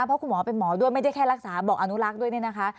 เพราะคุณหมอเป็นหมอด้วยไม่ได้แค่รักษาบอกอนุรักษ์ด้วยเนี่ยนะคะ